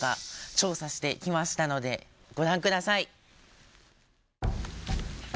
調査してきましたのでご覧ください。